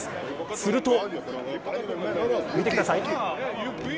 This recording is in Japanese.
すると見てください。